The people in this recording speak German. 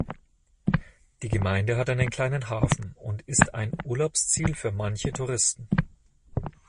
Die Gemeinde hat einen kleinen Hafen und ist ein Urlaubsziel für manche Touristen.